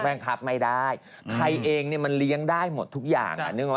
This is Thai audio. บังคับไม่ได้ใครเองเนี่ยมันเลี้ยงได้หมดทุกอย่าง